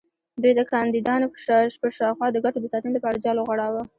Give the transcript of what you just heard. دوی د کاندیدانو پر شاوخوا د ګټو د ساتنې لپاره جال وغوړاوه.